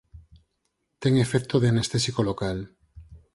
Ten efecto de anestésico local.